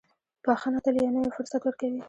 • بښنه تل یو نوی فرصت ورکوي.